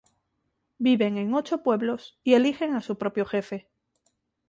Viven en ocho pueblos, y eligen a su propio jefe.